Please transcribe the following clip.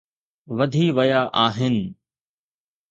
وڌي ويا آهن